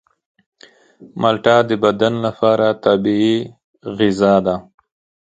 مالټه د بدن لپاره طبیعي غذا ده.